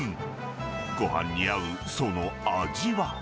ごはんに合う、その味は。